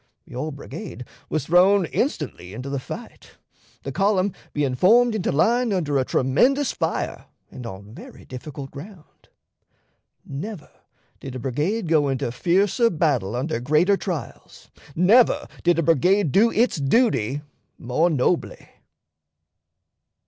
Your brigade was thrown instantly into the fight, the column being formed into line under a tremendous fire and on very difficult ground. Never did a brigade go into fiercer battle under greater trials; never did a brigade do its duty more nobly."